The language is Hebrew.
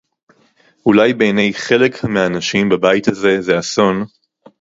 אולי בעיני חלק מהאנשים בבית הזה זה אסון